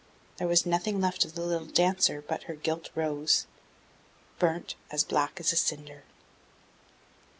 There was nothing left of the little Dancer but her gilt rose, burnt as black as a cinder.